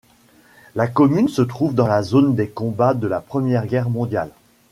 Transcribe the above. La commune se trouve dans la zone des combats de la Première Guerre mondiale.